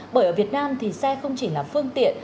bởi ở việt nam thì xe không chỉ là phương tiện